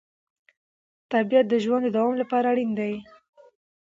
طبیعت د ژوند د دوام لپاره اړین دی